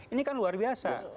ini kan luar biasa